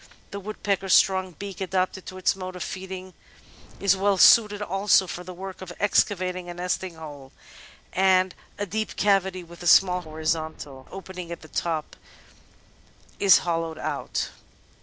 The woodpecker's strong beak, adapted to its mode of feeding, is weU suited also for the work of excavating a nesting hole, and a deep cavity with a small horizontal opening at the top is hollowed out.